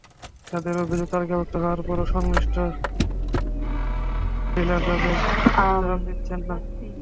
তাঁদের অভিযোগ, তালিকাভুক্ত হওয়ার পরেও সংশ্লিষ্ট ডিলার তাঁদের চাল দিচ্ছেন না।